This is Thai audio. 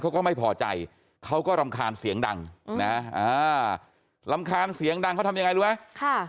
เขาก็ไม่พอใจเขาก็รำคาญเสียงดังนะอ่ารำคาญเสียงดังเขาทำยังไงรู้ไหมค่ะ